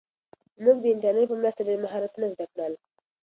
موږ د انټرنیټ په مرسته ډېر مهارتونه زده کړل.